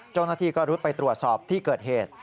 เจ้าหน้าที่ก็รุดไปตรวจสอบที่เกิดเหตุ